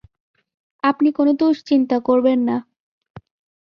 আপনি কোন দুশ্চিন্তা করবেন না।